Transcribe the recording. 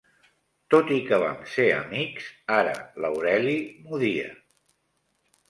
Tot i que vam ser amics, ara l'Aureli m'odia.